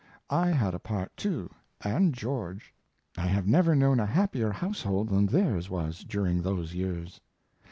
I had a part, too, and George. I have never known a happier household than theirs was during those years.